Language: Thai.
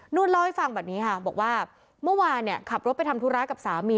วดเล่าให้ฟังแบบนี้ค่ะบอกว่าเมื่อวานเนี่ยขับรถไปทำธุระกับสามี